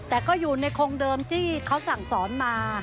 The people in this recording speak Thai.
แต่ก็อยู่ในโครงเดิมที่เขาสั่งสอนมา